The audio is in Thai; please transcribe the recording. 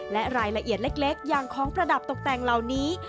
และรายละเอียดเล็กอย่างของประดับตกแต่งเหล่านี้